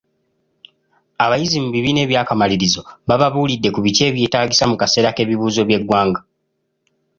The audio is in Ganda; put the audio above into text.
Abayizi mu bibiina eby'akamalirizo bababuulidde ku biki e byetaagisa mu kaseera k'ebibuuzo by'eggwanga.